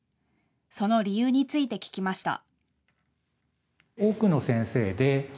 その理由について聞きました。